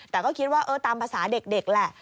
แต่ก็คิดว่าตามภาษาเด็กแหละ